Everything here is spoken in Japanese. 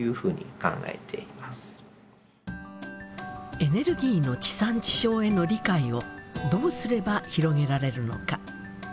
エネルギーの地産地消への理解をどうすれば広げられるのか。